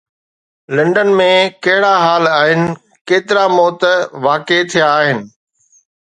London ۾ ڪهڙا حال آهن، ڪيترا موت واقع ٿيا آهن